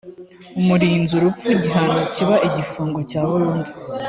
umurinzi urupfu igihano kiba igifungo cya burundu